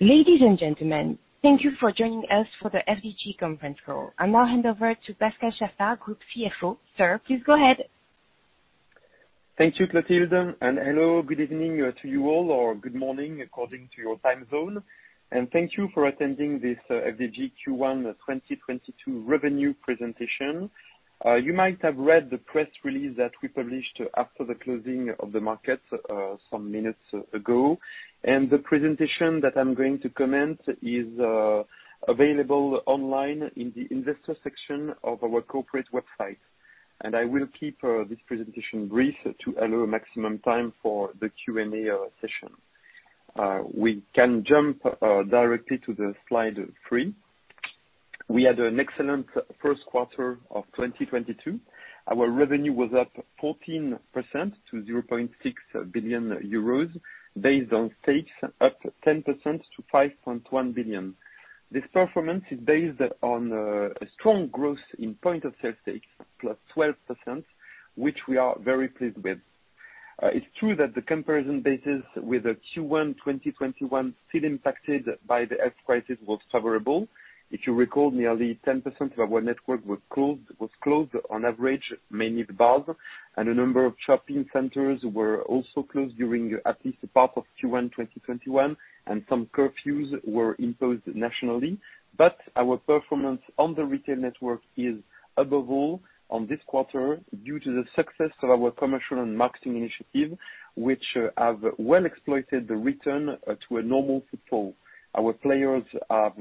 Ladies and gentlemen, thank you for joining us for the FDJ conference call. I'll now hand over to Pascal Chaffard, Group CFO. Sir, please go ahead. Thank you, Clotilde, and hello. Good evening to you all or good morning according to your time zone. Thank you for attending this FDJ Q1 2022 revenue presentation. You might have read the press release that we published after the closing of the market some minutes ago. The presentation that I'm going to comment is available online in the investor section of our corporate website. I will keep this presentation brief to allow maximum time for the Q&A session. We can jump directly to slide three. We had an excellent first quarter of 2022. Our revenue was up 14% to 0.6 billion euros based on stakes up 10% to 5.1 billion. This performance is based on a strong growth in point of sales stakes +12%, which we are very pleased with. It's true that the comparison basis with the Q1 2021 still impacted by the health crisis was favorable. If you recall, nearly 10% of our network was closed on average, mainly the bars, and a number of shopping centers were also closed during at least part of Q1 2021, and some curfews were imposed nationally. Our performance on the retail network is above all on this quarter due to the success of our commercial and marketing initiative, which have well exploited the return to a normal footfall. Our players have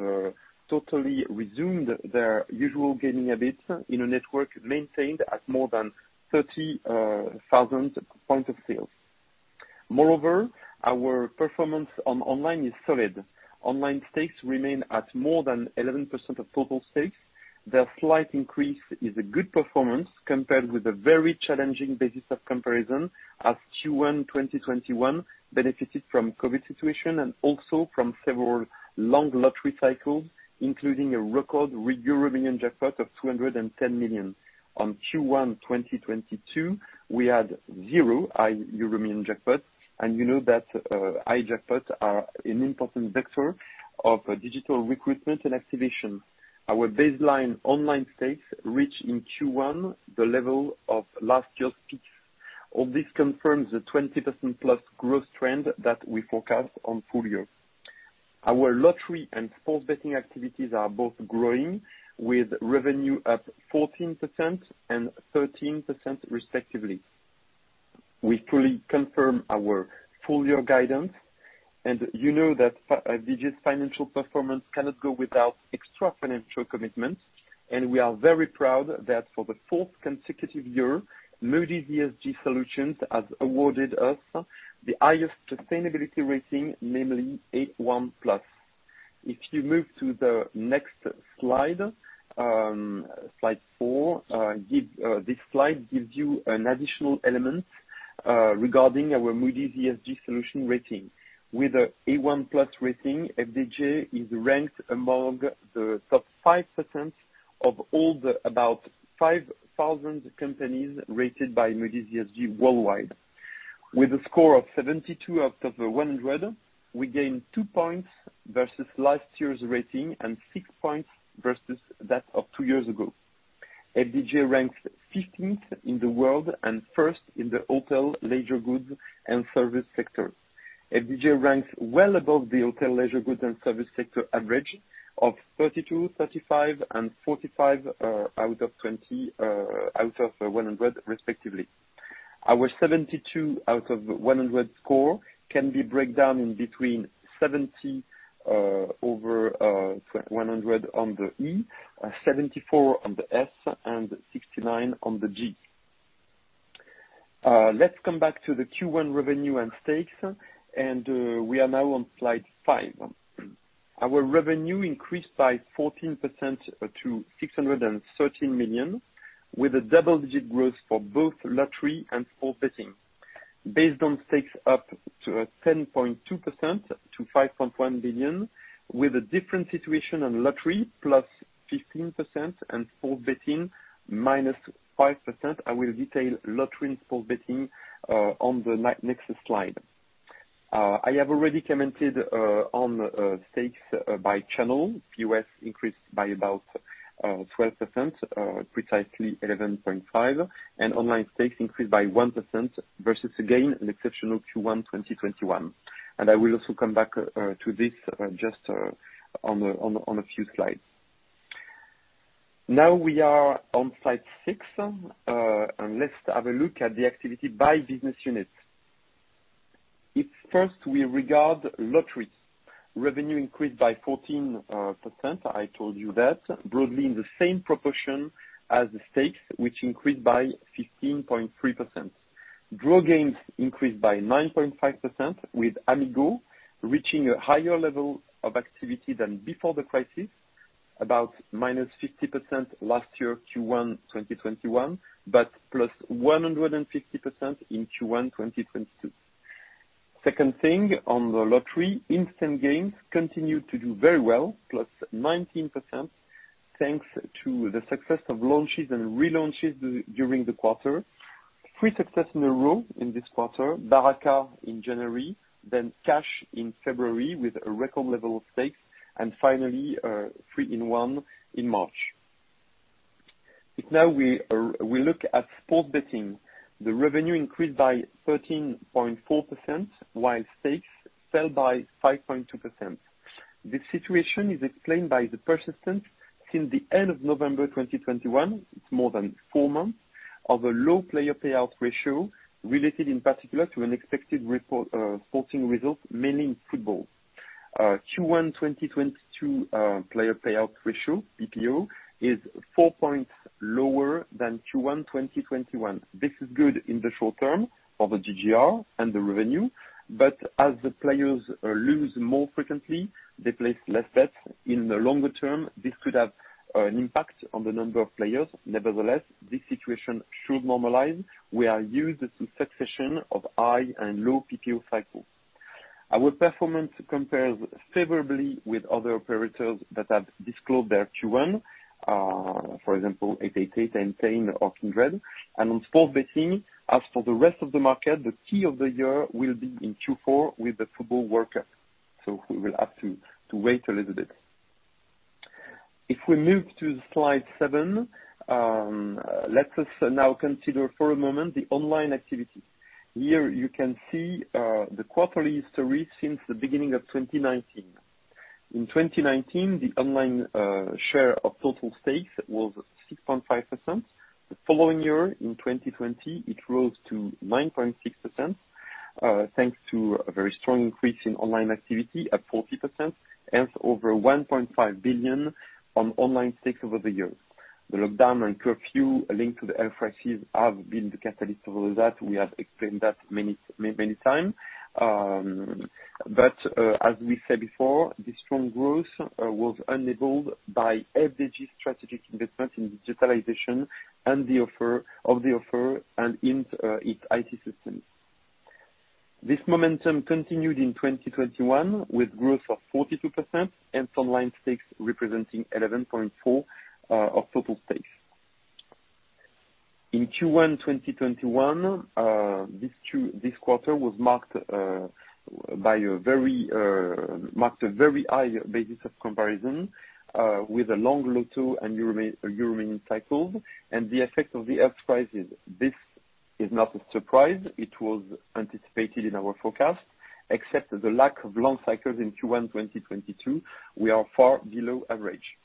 totally resumed their usual gaming habits in a network maintained at more than 30,000 point of sales. Moreover, our performance on online is solid. Online stakes remain at more than 11% of total stakes. Their slight increase is a good performance compared with a very challenging basis of comparison as Q1 2021 benefited from COVID situation and also from several long lottery cycles, including a record EuroMillions jackpot of 210 million. On Q1 2022, we had zero EuroMillions jackpot, and you know that, high jackpots are an important vector of digital recruitment and activation. Our baseline online stakes reached in Q1 the level of last year's peaks. All this confirms the 20%+ growth trend that we forecast on full year. Our lottery and sports betting activities are both growing with revenue up 14% and 13% respectively. We fully confirm our full year guidance, and you know that, FDJ's financial performance cannot go without extra financial commitments. We are very proud that for the fourth consecutive year, Moody's ESG Solutions has awarded us the highest sustainability rating, namely A1+. If you move to the next slide four, this slide gives you an additional element regarding our Moody's ESG Solutions rating. With an A1+ rating, FDJ is ranked among the top 5% of all the about 5,000 companies rated by Moody's ESG worldwide. With a score of 72 out of 100, we gained 2 points versus last year's rating and 6 points versus that of two years ago. FDJ ranks fifteenth in the world and first in the Hotels, Leisure Goods & Services sector. FDJ ranks well above the Hotels, Leisure Goods & Services sector average of 32, 35, and 45 out of 100, respectively. Our 72 out of 100 score can be broken down into 70 over 100 on the E, 74 on the S and 69 on the G. Let's come back to the Q1 revenue and stakes. We are now on slide five. Our revenue increased by 14% to 613 million, with a double-digit growth for both lottery and sports betting. Based on stakes up by 10.2% to 5.1 billion, with a different situation on lottery +15% and sports betting -5%. I will detail lottery and sports betting on the next slide. I have already commented on stakes by channel. U.S. increased by about 12%, precisely 11.5%. Online stakes increased by 1% versus again, an exceptional Q1 2021. I will also come back to this just on a few slides. Now we are on slide six. Let's have a look at the activity by business unit. First we regard lotteries, revenue increased by 14%, I told you that, broadly in the same proportion as the stakes, which increased by 15.3%. Draw games increased by 9.5% with Amigo reaching a higher level of activity than before the crisis, about -50% last year Q1 2021, but +150% in Q1 2022. Second thing on the lottery, instant games continued to do very well, +19%, thanks to the success of launches and relaunches during the quarter. Three successes in a row in this quarter. Baraka in January, then Cash in February with a record level of stakes, and finally, 3 en 1 in March. We look at sports betting, the revenue increased by 13.4%, while stakes fell by 5.2%. This situation is explained by the persistence since the end of November 2021, it's more than four months, of a low player payout ratio related in particular to unexpected poor sporting results, mainly in football. Q1 2022 player payout ratio, PPO, is 4 points lower than Q1 2021. This is good in the short term for the GGR and the revenue, but as the players lose more frequently, they place less bets. In the longer term, this could have an impact on the number of players. Nevertheless, this situation should normalize. We are used to succession of high and low PPO cycles. Our performance compares favorably with other operators that have disclosed their Q1, for example, 888 and Kindred. On sports betting, as for the rest of the market, the key of the year will be in Q4 with the football World Cup, so we will have to wait a little bit. If we move to slide seven, let us now consider for a moment the online activity. Here you can see the quarterly history since the beginning of 2019. In 2019, the online share of total stakes was 6.5%. The following year, in 2020, it rose to 9.6%, thanks to a very strong increase in online activity at 40%, hence over 1.5 billion in online stakes over the years. The lockdown and curfew linked to the health crisis have been the catalyst for that. We have explained that many times. As we said before, this strong growth was enabled by FDJ's strategic investment in digitalization and the offer and in its IT systems. This momentum continued in 2021 with growth of 42% and some online stakes representing 11.4% of total stakes. In Q1 2021, this quarter was marked by a very high basis of comparison with a long Loto and EuroMillions cycles and the effect of the health crisis. This is not a surprise. It was anticipated in our forecast except the lack of long cycles in Q1 2022. We are far below average.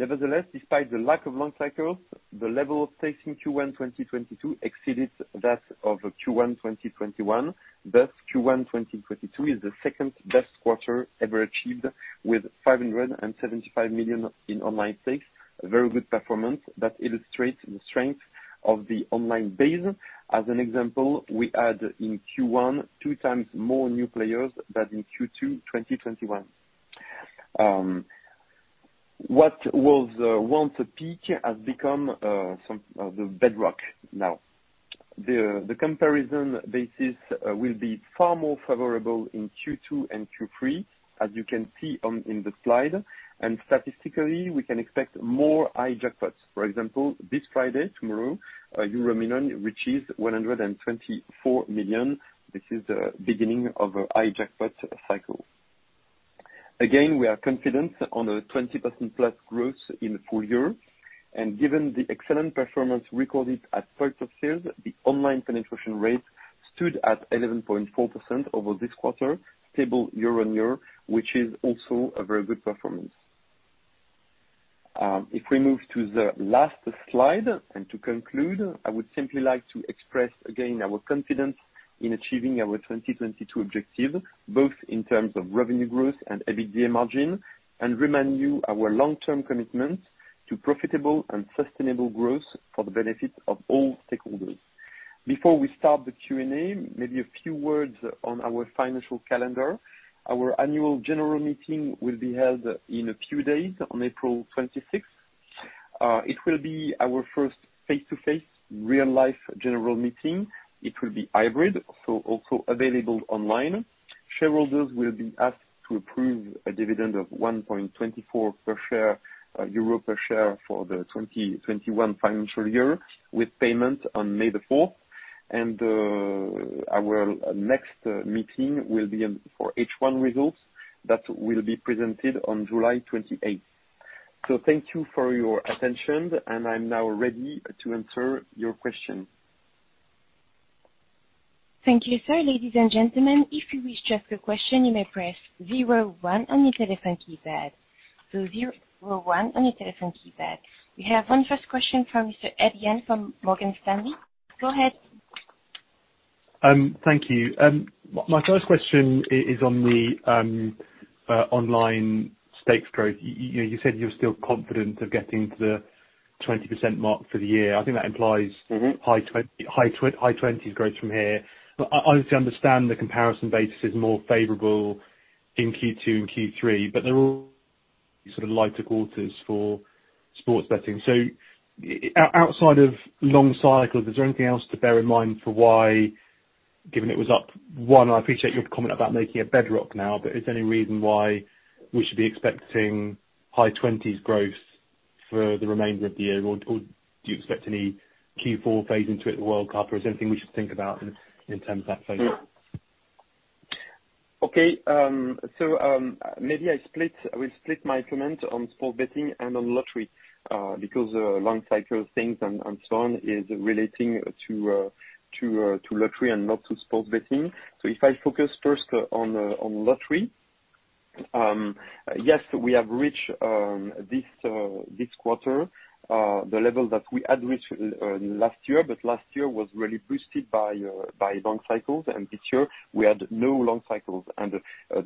Nevertheless, despite the lack of long cycles, the level of stakes in Q1 2022 exceeded that of Q1 2021. Thus, Q1 2022 is the second best quarter ever achieved with 575 million in online stakes. A very good performance that illustrates the strength of the online base. As an example, we add in Q1 two times more new players than in Q2 2021. What was once a peak has become the bedrock now. The comparison basis will be far more favorable in Q2 and Q3, as you can see in the slide. Statistically, we can expect more high jackpots. For example, this Friday, tomorrow, EuroMillions reaches 124 million. This is the beginning of a high jackpot cycle. Again, we are confident on a 20%+ growth in the full year. Given the excellent performance recorded at points of sale, the online penetration rate stood at 11.4% over this quarter, stable year-on-year, which is also a very good performance. If we move to the last slide, and to conclude, I would simply like to express again our confidence in achieving our 2022 objective, both in terms of revenue growth and EBITDA margin, and remind you of our long-term commitment to profitable and sustainable growth for the benefit of all stakeholders. Before we start the Q&A, maybe a few words on our financial calendar. Our annual general meeting will be held in a few days, on April 26th. It will be our first face-to-face real life general meeting. It will be hybrid, so also available online. Shareholders will be asked to approve a dividend of 1.24 per share for the 2021 financial year, with payment on May 4th. Our next meeting will be on for H1 results. That will be presented on July 28th. Thank you for your attention, and I'm now ready to answer your questions. Thank you, sir. Ladies and gentlemen, if you wish to ask a question, you may press zero one on your telephone keypad. Zero one on your telephone keypad. We have our first question from Mr. Edouard Aubin from Morgan Stanley. Go ahead. Thank you. My first question is on the online stakes growth. You said you're still confident of getting to the 20% mark for the year. I think that implies. Mm-hmm. High 20s growth from here. I honestly understand the comparison basis is more favorable in Q2 and Q3, but there are sort of lighter quarters for sports betting. Outside of long cycles, is there anything else to bear in mind for why, given it was up 1%, I appreciate your comment about making a bedrock now, but is there any reason why we should be expecting high 20s growth? For the remainder of the year, or do you expect any Q4 phase into it the World Cup? Or is there anything we should think about in terms of that phase? Okay, I will split my comment on sports betting and on lottery because long cycle things and so on is relating to lottery and not to sports betting. If I focus first on lottery, yes, we have reached this quarter the level that we had reached last year, but last year was really boosted by long cycles, and this year we had no long cycles.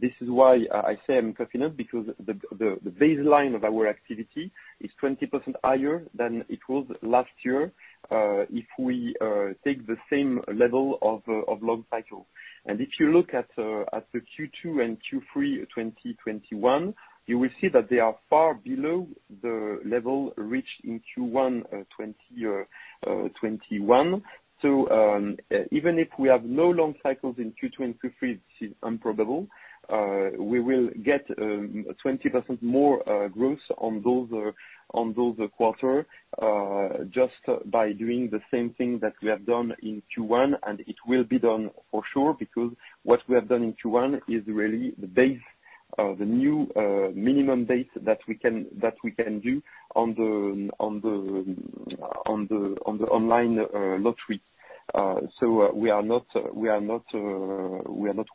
This is why I say I'm confident because the baseline of our activity is 20% higher than it was last year if we take the same level of long cycle. If you look at the Q2 and Q3 2021, you will see that they are far below the level reached in Q1 2021. Even if we have no long cycles in Q2 and Q3, this is improbable, we will get 20% more growth on those quarters just by doing the same thing that we have done in Q1, and it will be done for sure, because what we have done in Q1 is really the base, the new minimum base that we can do on the online lottery. We are not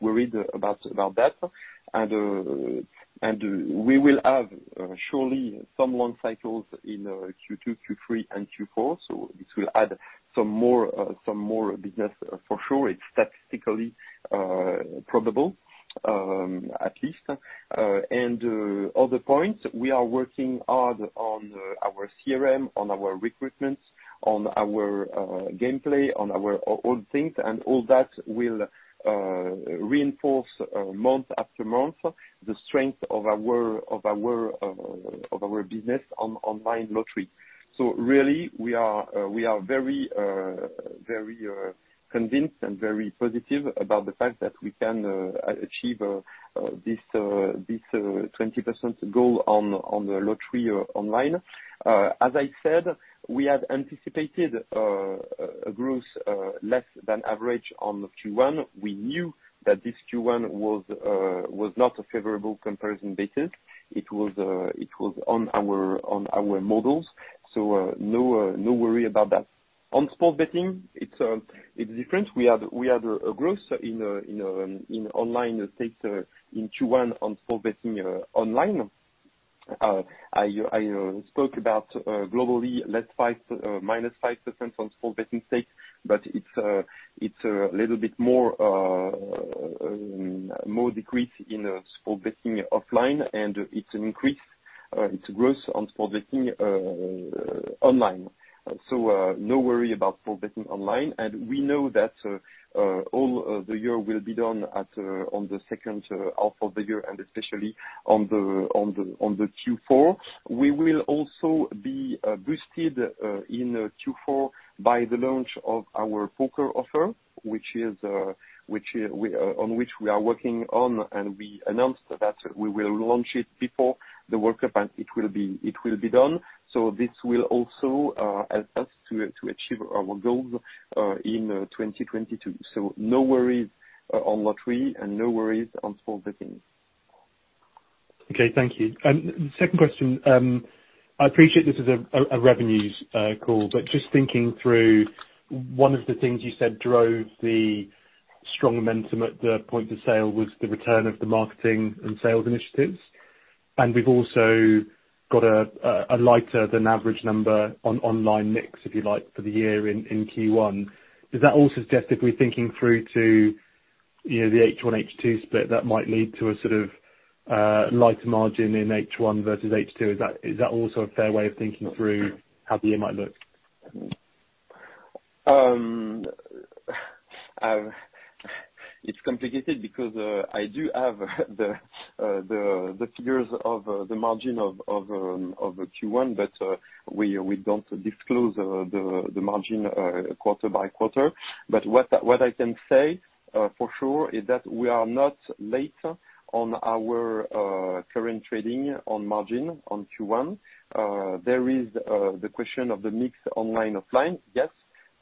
worried about that. We will have surely some long cycles in Q2, Q3 and Q4, so this will add some more business for sure. It's statistically probable, at least. Other points, we are working hard on our CRM, on our recruitment, on our gameplay, on our all things, and all that will reinforce month-after-month the strength of our business on online lottery. Really, we are very convinced and very positive about the fact that we can achieve this 20% goal on the lottery online. As I said, we had anticipated a growth less than average on Q1. We knew that this Q1 was not a favorable comparison basis. It was on our models. No worry about that. On sports betting, it's different. We had a growth in online stakes in Q1 on sports betting online. I spoke about globally, -5% on sports betting stakes, but it's a little bit more decrease in sports betting offline, and it's an increase, it's growth on sports betting online. No worry about sports betting online. We know that all of the year will be done on the second half of the year, and especially on the Q4. We will also be boosted in Q4 by the launch of our poker offer, on which we are working, and we announced that we will launch it before the World Cup, and it will be done. This will also help us to achieve our goals in 2022. No worries on lottery and no worries on sports betting. Okay, thank you. Second question, I appreciate this is a revenue call, but just thinking through one of the things you said drove the strong momentum at the point of sale was the return of the marketing and sales initiatives. We've also got a lighter than average number on online mix, if you like, for the year in Q1. Does that all suggest if we're thinking through to, you know, the H1, H2 split, that might lead to a sort of lighter margin in H1 versus H2? Is that also a fair way of thinking through how the year might look? It's complicated because I do have the figures of the margin of Q1, but we don't disclose the margin quarter by quarter. What I can say for sure is that we are not late on our current trading on margin on Q1. There is the question of the mix online, offline. Yes.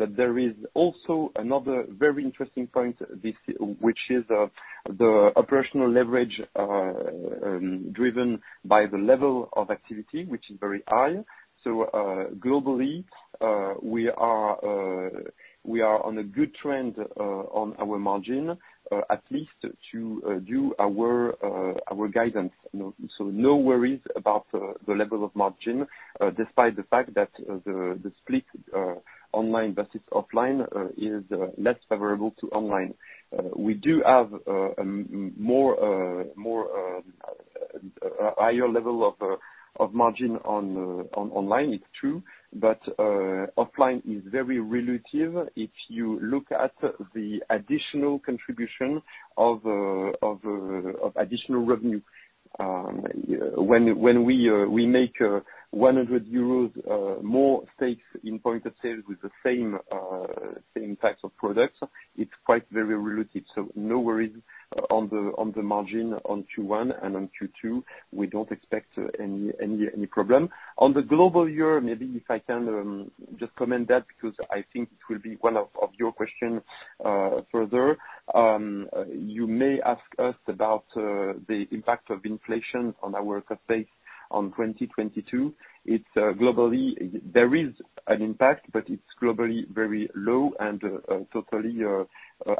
There is also another very interesting point, which is the operational leverage driven by the level of activity, which is very high. Globally, we are on a good trend on our margin, at least to do our guidance. You know, no worries about the level of margin despite the fact that the split online versus offline is less favorable to online. We do have more higher level of margin on online, it's true, but offline is very relative if you look at the additional contribution of additional revenue. When we make 100 euros more stakes in point of sale with the same types of products, it's quite very relative, so no worries on the margin on Q1 and on Q2. We don't expect any problem. On the global year, maybe if I can just comment that because I think it will be one of your questions further. You may ask us about the impact of inflation on our cost base in 2022. Globally, there is an impact, but it's globally very low and totally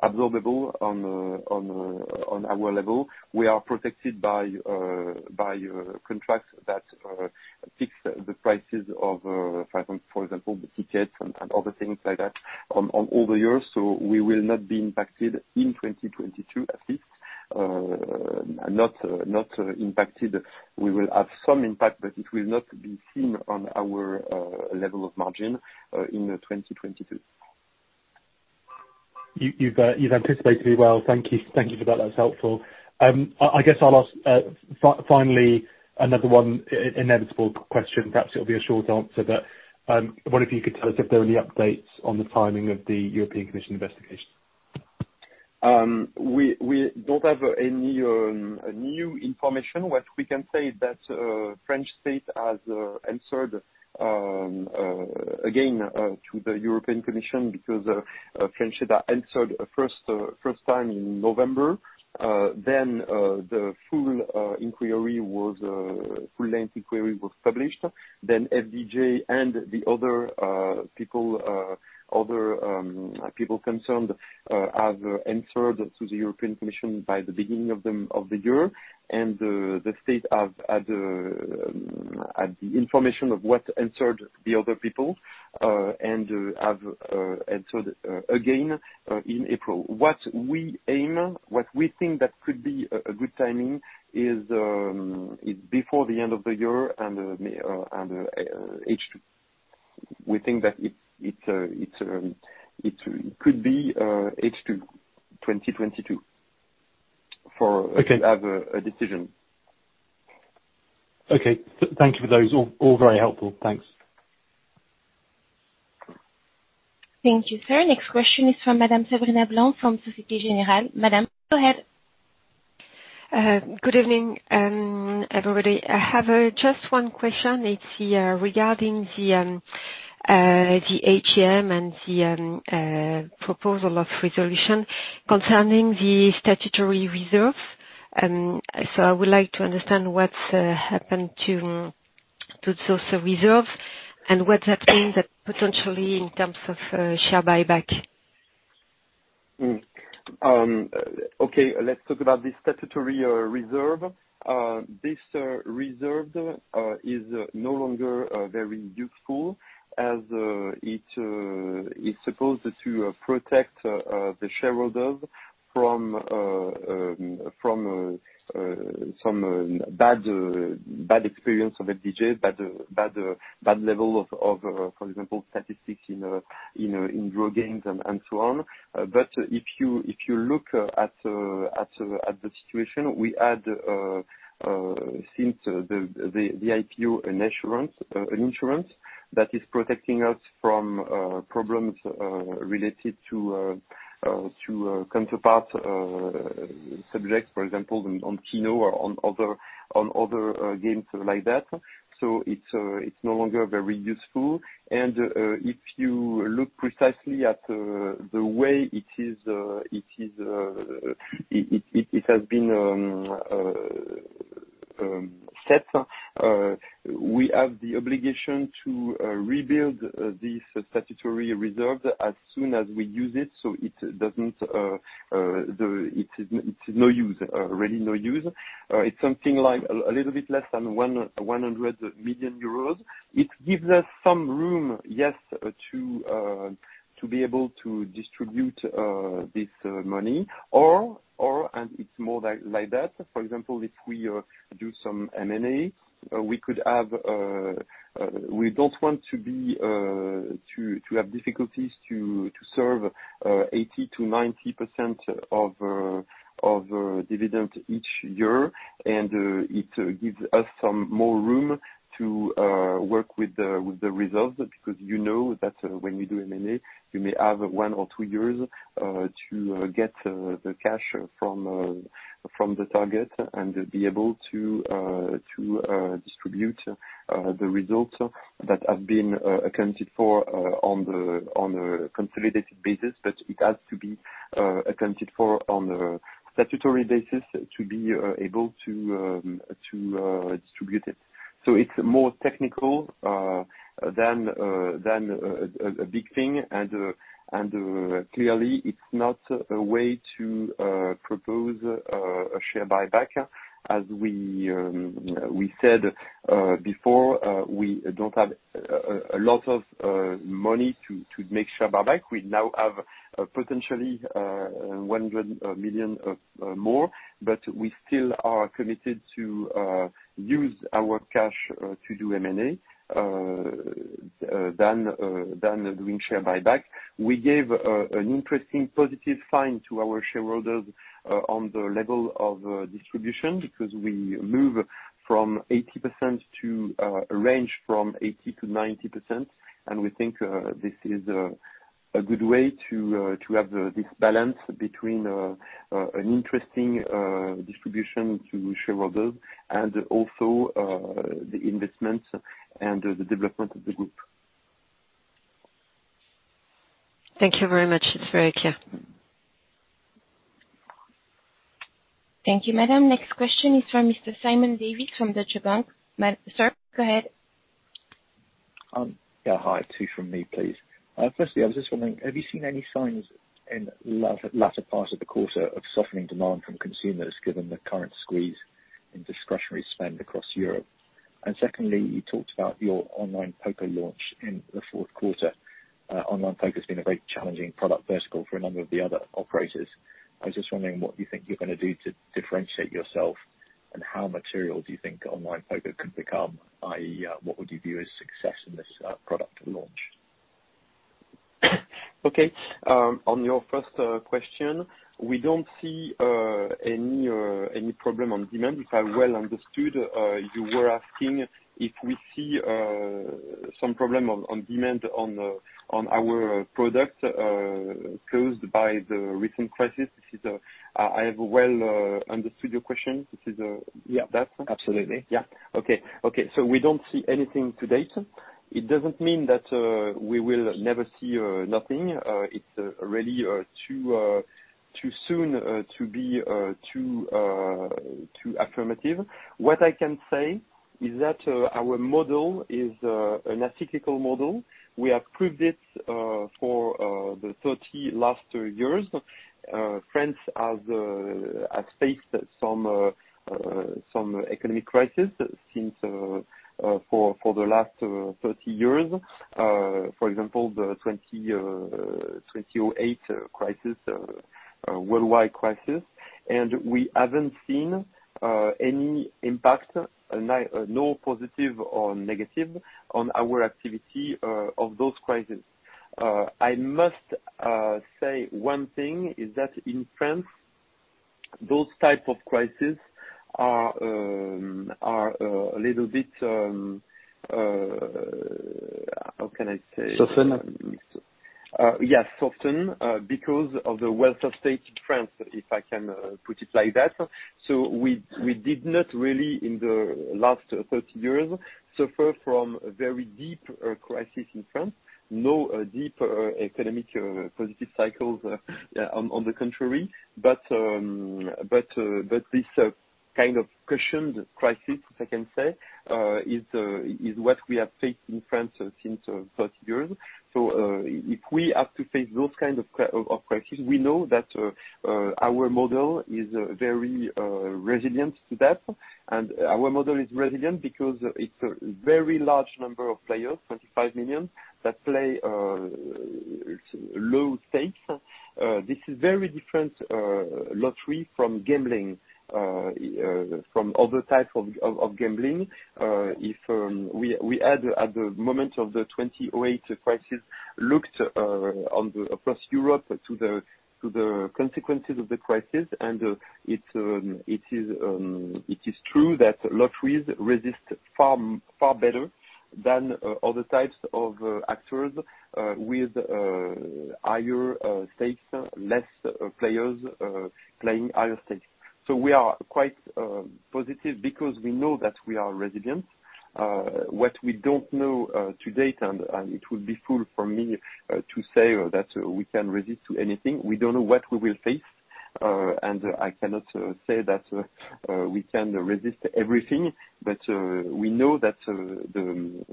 absorbable at our level. We are protected by contracts that fix the prices of, for example, the tickets and other things like that on all the years. We will not be impacted in 2022 at least, not impacted. We will have some impact, but it will not be seen on our level of margin in 2022. You've anticipated me well. Thank you. Thank you for that. That's helpful. I guess I'll ask, finally, another inevitable question, perhaps it'll be a short answer, but what if you could tell us if there are any updates on the timing of the European Commission investigation? We don't have any new information. What we can say is that French state has answered again to the European Commission because French state answered first time in November. The full length inquiry was published. FDJ and the other people concerned have answered to the European Commission by the beginning of the year. The state have the information of what the other people answered and have answered again in April. What we think that could be a good timing is before the end of the year and maybe H2. We think that it could be H2 2022. Okay. to have a decision. Okay. Thank you for those, all very helpful. Thanks. Thank you, sir. Next question is from Madame Sabrina Blanc from Société Générale. Madame, go ahead. Good evening, everybody. I have just one question. It's regarding the AGM and the proposal of resolution concerning the statutory reserves. I would like to understand what's happened to those reserves and what that means potentially in terms of share buyback. Okay, let's talk about the statutory reserve. This reserve is no longer very useful as it's supposed to protect the shareholders from some bad experience of FDJ, bad level of, for example, statistics, you know, in draw games and so on. But if you look at the situation, we had since the IPO insurance that is protecting us from problems related to counterparty subjects, for example, on Keno or on other games like that. It's no longer very useful. If you look precisely at the way it has been set, we have the obligation to rebuild this statutory reserve as soon as we use it, so it doesn't. It's no use, really no use. It's something like a little bit less than 100 million euros. It gives us some room, yes, to be able to distribute this money, or, and it's more like that. For example, if we do some M&A, we don't want to have difficulties to serve 80%-90% of dividend each year. It gives us some more room to work with the results, because you know that when you do M&A, you may have one or two years to get the cash from the target and be able to distribute the results that have been accounted for on the consolidated basis, but it has to be accounted for on a statutory basis to be able to distribute it. It's more technical than a big thing. Clearly, it's not a way to propose a share buyback. As we said before, we don't have a lot of money to make share buyback. We now have potentially 100 million more, but we still are committed to use our cash to do M&A than doing share buyback. We gave an interesting positive sign to our shareholders on the level of distribution because we move from 80% to a range from 80%-90%, and we think this is a good way to have this balance between an interesting distribution to shareholders and also the investments and the development of the group. Thank you very much. It's very clear. Thank you, madam. Next question is from Mr. Simon Davies from Deutsche Bank. Ma'am, sir, go ahead. Yeah, hi. Two from me, please. Firstly, I was just wondering, have you seen any signs in the latter part of the quarter of softening demand from consumers given the current squeeze in discretionary spend across Europe? Secondly, you talked about your online poker launch in the fourth quarter. Online poker's been a very challenging product vertical for a number of the other operators. I was just wondering what you think you're gonna do to differentiate yourself, and how material do you think online poker could become, i.e., what would you view as success in this product launch? Okay. On your first question, we don't see any problem on demand. If I well understood, you were asking if we see some problem on demand on our product, caused by the recent crisis. This is, I have well understood your question. This is, Yeah. That? Absolutely. We don't see anything to date. It doesn't mean that we will never see nothing. It's really too soon to be too affirmative. What I can say is that our model is an ethical model. We have proved it for the last 30 years. France has faced some economic crises for the last 30 years. For example, the 2008 crisis, worldwide crisis. We haven't seen any impact, no positive or negative, on our activity of those crises. I must say one thing is that in France, those type of crises are a little bit. How can I say? Soften? Yes, often because of the welfare state in France, if I can put it like that. We did not really, in the last 30 years, suffer from a very deep crisis in France. No deep economic positive cycles on the contrary, but this kind of cushioned crisis, I can say, is what we have faced in France since 30 years. If we have to face those kind of crisis, we know that our model is very resilient to that. Our model is resilient because it's a very large number of players, 25 million, that play low stakes. This is very different lottery from gambling from other types of gambling. If we had at the moment of the 2008 crisis looked across Europe to the consequences of the crisis, it is true that lotteries resist far better than other types of actors with higher stakes, less players playing higher stakes. We are quite positive because we know that we are resilient. What we don't know to date, and it would be foolish for me to say that we can resist to anything, we don't know what we will face, and I cannot say that we can resist everything. We know that the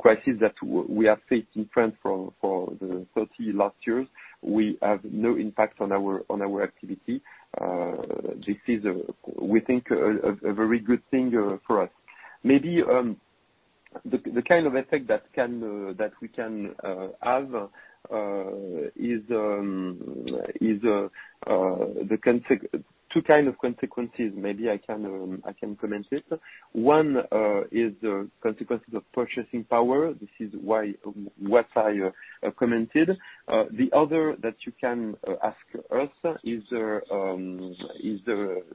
crisis that we are facing in France for the last 30 years, we have no impact on our activity. This is, we think, a very good thing for us. Maybe the kind of effect that we can have is two kind of consequences. Maybe I can comment it. One is the consequences of purchasing power. This is why, what I commented. The other that you can ask us is the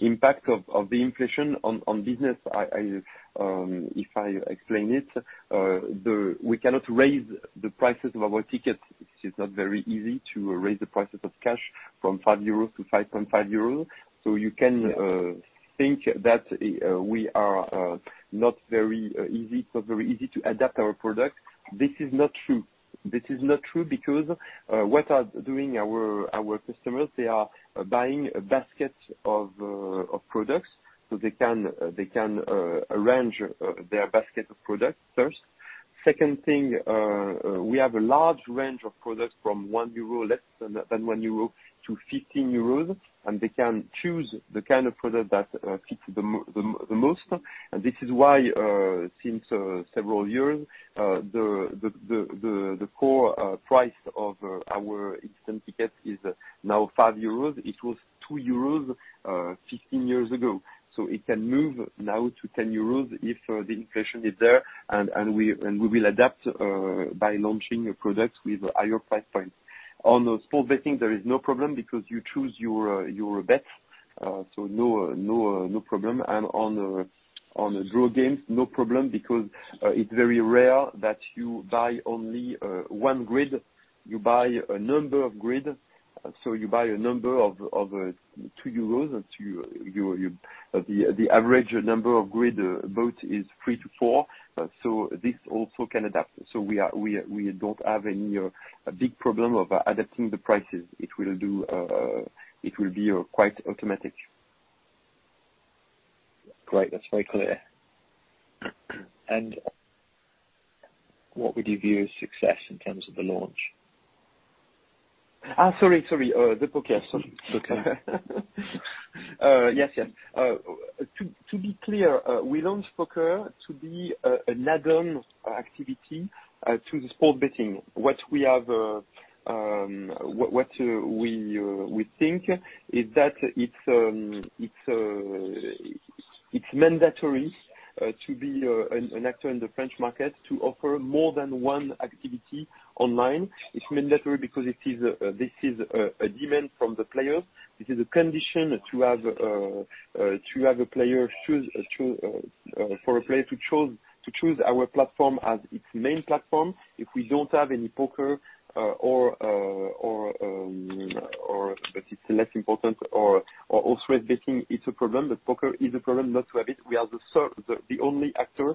impact of the inflation on business. If I explain it, we cannot raise the prices of our tickets. It's not very easy to raise the prices of Cash from 5 euros to 5.5 euros. You can- Yes. I think that we are not very easy to adapt our product. This is not true because what our customers are doing, they are buying a basket of products, so they can arrange their basket of products first. Second thing, we have a large range of products from less than 1 euro to 15 euros, and they can choose the kind of product that fits them the most. This is why, since several years, the core price of our instant tickets is now 5 euros. It was 2 euros, 15 years ago. It can move now to 10 euros if the inflation is there, and we will adapt by launching a product with higher price point. On the sports betting, there is no problem because you choose your bets. No problem. On the draw games, no problem, because it's very rare that you buy only one grid. You buy a number of grid. You buy a number of two euros. The average number of grid bought is 3-4. This also can adapt. We don't have any big problem of adapting the prices. It will be quite automatic. Great. That's very clear. What would you view as success in terms of the launch? Sorry, the poker. Okay. Yes. To be clear, we want poker to be an add-on activity to the sports betting. What we think is that it's mandatory to be an actor in the French market to offer more than one activity online. It's mandatory because this is a demand from the players. This is a condition for a player to choose our platform as its main platform. If we don't have any poker or betting, it's a problem, but it's less important, but poker is a problem not to have it. We are the only actor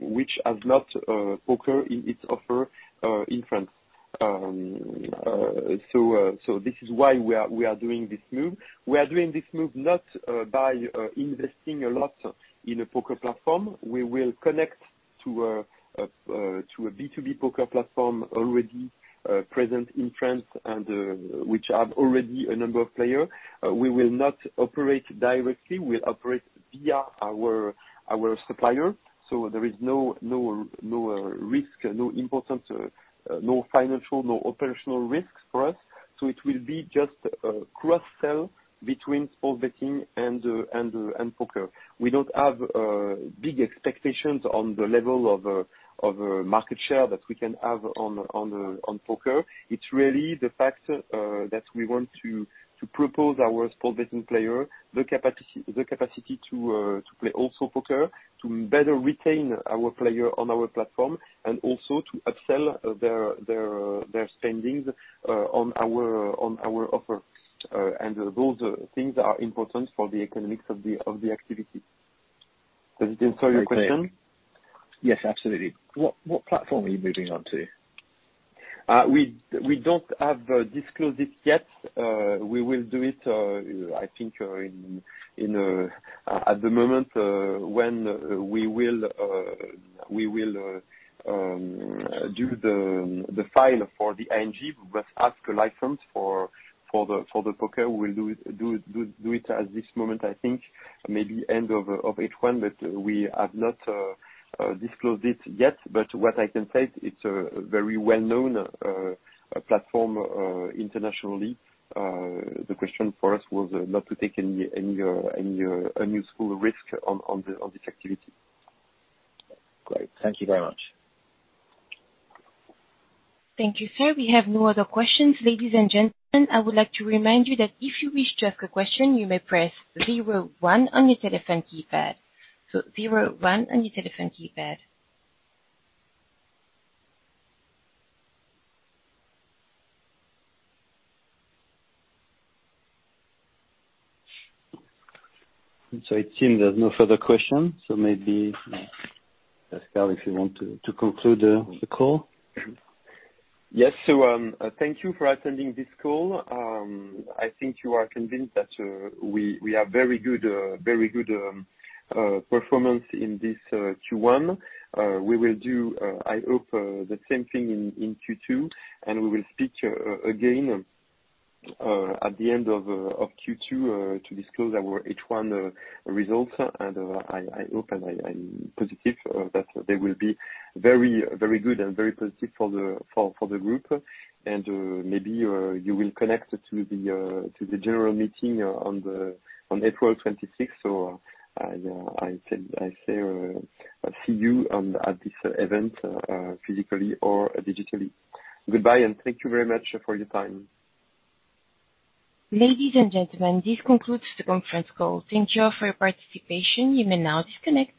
which has not poker in its offer in France. This is why we are doing this move. We are doing this move not by investing a lot in a poker platform. We will connect to a B2B poker platform already present in France and which have already a number of player. We will not operate directly. We'll operate via our supplier. There is no risk, no important, no financial, no operational risks for us. It will be just a cross-sell between sports betting and poker. We don't have big expectations on the level of market share that we can have on poker. It's really the fact that we want to propose our sports betting player the capacity to play also poker, to better retain our player on our platform, and also to upsell their spending on our offer. Those things are important for the economics of the activity. Does it answer your question? Yes, absolutely. What platform are you moving on to? We haven't disclosed it yet. We will do it, I think, at the moment when we will do the file for the ANJ. We've asked a license for the poker. We'll do it at this moment, I think. Maybe end of H1, but we have not disclosed it yet. What I can say, it's a very well-known platform internationally. The question for us was not to take any unusual risk on this activity. Great. Thank you very much. Thank you, sir. We have no other questions. Ladies and gentlemen, I would like to remind you that if you wish to ask a question, you may press zero one on your telephone keypad. Zero one on your telephone keypad. It seems there's no further questions. Maybe, Pascal, if you want to conclude the call. Yes. Thank you for attending this call. I think you are convinced that we have very good performance in this Q1. We will do, I hope, the same thing in Q2, and we will speak again at the end of Q2 to disclose our H1 results. I hope and I'm positive that they will be very good and very positive for the group. Maybe you will connect to the general meeting on April 26th, or I say see you at this event physically or digitally. Goodbye, and thank you very much for your time. Ladies and gentlemen, this concludes the conference call. Thank you for your participation. You may now disconnect.